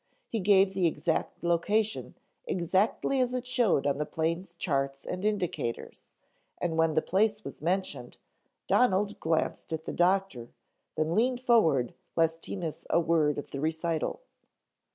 He gave the exact location exactly as it showed on the plane's charts and indicators, and when the place was mentioned, Donald glanced at the doctor, then leaned forward lest he miss a word of the recital.